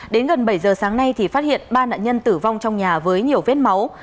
đến gần bảy giờ sáng nay thì phát hiện ba nạn nhân tử vong trong nhà với nhiều vết máu